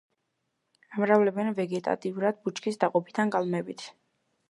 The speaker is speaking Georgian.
ამრავლებენ ვეგეტატიურად, ბუჩქის დაყოფით ან კალმებით.